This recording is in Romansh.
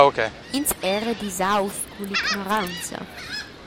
Ins era disaus cull’ignoranza.